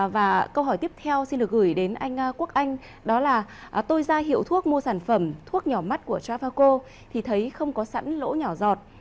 và câu hỏi tiếp theo xin được gửi đến anh quốc anh đó là tôi ra hiệu thuốc mua sản phẩm thuốc nhỏ mắt của javaco thì thấy không có sẵn lỗ nhỏ giọt